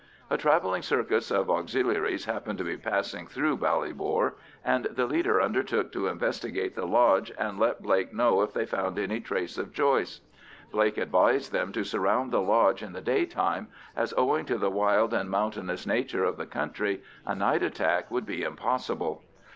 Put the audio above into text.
A "travelling circus" of Auxiliaries happened to be passing through Ballybor, and the leader undertook to investigate the lodge and let Blake know if they found any trace of Joyce. Blake advised them to surround the lodge in the day time, as, owing to the wild and mountainous nature of the country, a night attack would be impossible.